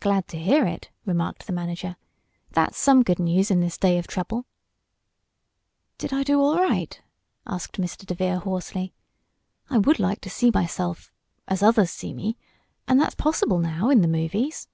"Glad to hear it," remarked the manager. "That's some good news in this day of trouble." "Did I do all right?" asked Mr. DeVere, hoarsely. "I would like to see myself as others see me and that's possible now, in the movies."